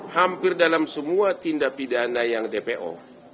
hampir dalam semua tindak pidana yang dpo